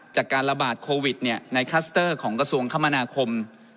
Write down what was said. จากการระบาดโควิดในคลัสเตอร์ของกระทรวงคมนาคม